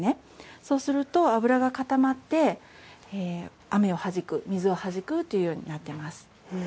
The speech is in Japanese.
そうすると油が固まって雨をはじく、水をはじくとなっています。